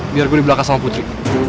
biar gue di belakang sama putri